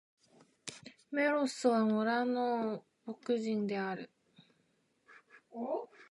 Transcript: メロスは、村の牧人である。